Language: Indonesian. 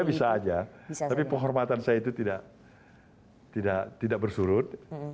ya bisa saja tapi penghormatan saya itu tidak bersurut